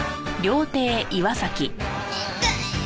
痛いよ。